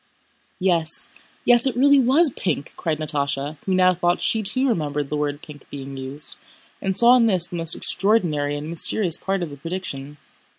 "Yes, yes, it really was pink!" cried Natásha, who now thought she too remembered the word pink being used, and saw in this the most extraordinary and mysterious part of the prediction.